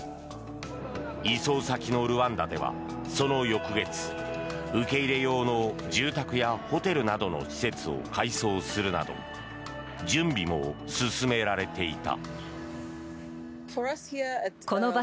移送先のルワンダではその翌月受け入れ用の住宅やホテルなどの施設を改装するなど準備も進められていた。